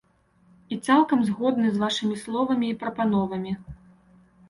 Я цалкам згодны з вашымі словамі і прапановамі.